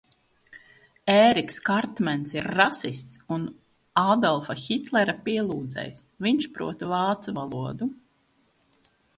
Ēriks Kartmens ir rasists un Ādolfa Hitlera pielūdzējs, viņš prot vācu valodu.